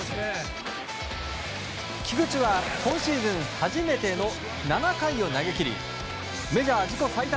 菊池は今シーズン初めての７回を投げ切りメジャー自己最多